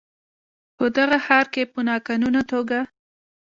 په دغه ښار کې په ناقانونه توګه